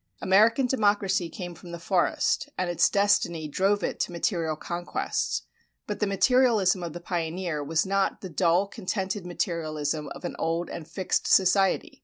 American democracy came from the forest, and its destiny drove it to material conquests; but the materialism of the pioneer was not the dull contented materialism of an old and fixed society.